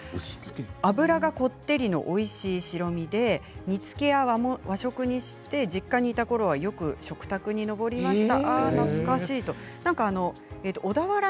脂がこってりのオシツケ煮つけや和食にして実家にいたころはよく食卓に上りました。